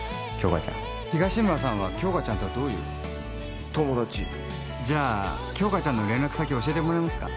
杏花ちゃん東村さんは杏花ちゃんとはどういう友達じゃあ杏花ちゃんの連絡先教えてもらえますか？